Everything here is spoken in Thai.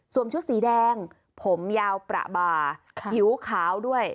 ชุดสีแดงผมยาวประบาผิวขาวด้วย